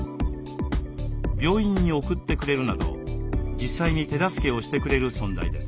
病院に送ってくれるなど実際に手助けをしてくれる存在です。